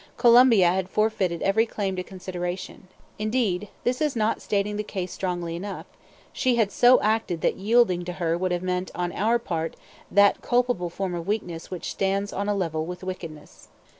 Colombia had forfeited every claim to consideration; indeed, this is not stating the case strongly enough: she had so acted that yielding to her would have meant on our part that culpable form of weakness which stands on a level with wickedness.